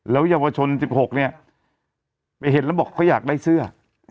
เยาวชน๑๖เนี่ยไปเห็นแล้วบอกเขาอยากได้เสื้อ